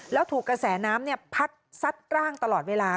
แล้วถูกกระแสน้ำพัดซัดร่างตลอดเวลา